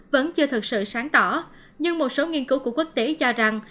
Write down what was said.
vẫn chưa thực sự sáng tỏ nhưng một số nghiên cứu của quốc tế cho rằng